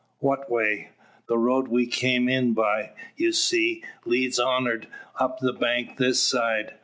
"What way?" "That road we kim in by, ye see, leads on'ard up the bank this side.